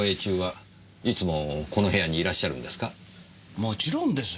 もちろんです。